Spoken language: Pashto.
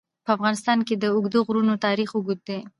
په افغانستان کې د اوږده غرونه تاریخ اوږد دی.